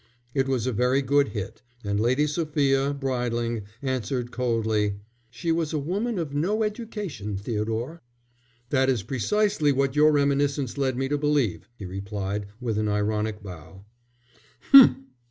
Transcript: '" It was a very good hit, and Lady Sophia, bridling, answered coldly: "She was a woman of no education, Theodore." "That is precisely what your reminiscence led me to believe," he replied, with an ironical bow.